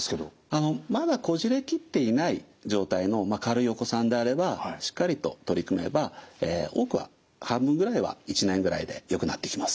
あのまだこじれ切っていない状態の軽いお子さんであればしっかりと取り組めば多くは半分ぐらいは１年ぐらいでよくなっていきます。